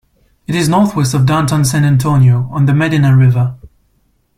It is northwest of downtown San Antonio, on the Medina River.